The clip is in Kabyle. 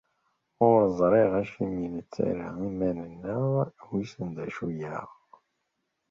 Ur ẓriɣ acimi i nettarra iman-nneɣ wissen d acu-aɣ.